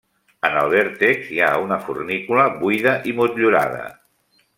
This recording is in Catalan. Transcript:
En el vèrtex hi ha una fornícula, buida i motllurada.